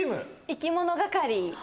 いきものがかり。